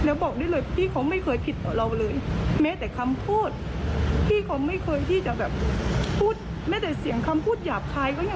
ก็บอกได้เลยพี่เขาไม่เคยผิดเรากับเราเลย